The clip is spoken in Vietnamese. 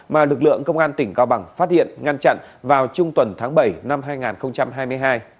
mà lực lượng công an tỉnh cao bằng phát hiện ngăn chặn vào trung tuần tháng bảy năm hai nghìn hai mươi hai